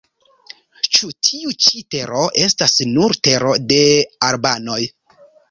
Ĉu tiu ĉi tero estas nur tero de albanoj?